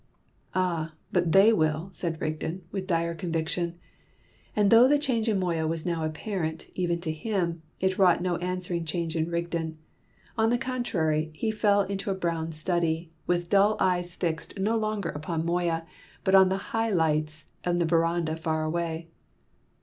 "Ah, but they will," said Rigden, with dire conviction. And though the change in Moya was now apparent even to him, it wrought no answering change in Rigden; on the contrary, he fell into a brown study, with dull eyes fixed no longer upon Moya, but on the high lights in the verandah far away.